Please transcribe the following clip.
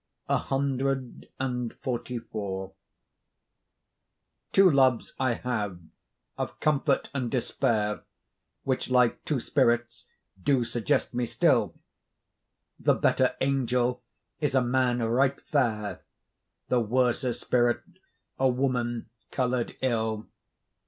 CXLIV Two loves I have of comfort and despair, Which like two spirits do suggest me still: The better angel is a man right fair, The worser spirit a woman colour'd ill.